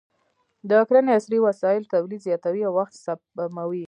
د کرنې عصري وسایل تولید زیاتوي او وخت سپموي.